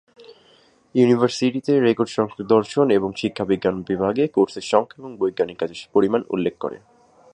ইউনিভার্সিটিতে রেকর্ডসংখ্যক দর্শন এবং শিক্ষা বিজ্ঞান বিভাগে কোর্সের সংখ্যা এবং বৈজ্ঞানিক কাজের পরিমাণ উল্লেখ করে।